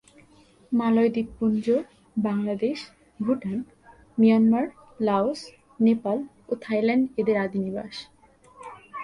মালয় দ্বীপপুঞ্জ, Bangladesh, Bhutan, Myanmar, Laos, Nepal ও Thailand এদের আদি নিবাস।